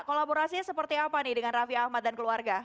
kolaborasinya seperti apa nih dengan raffi ahmad dan keluarga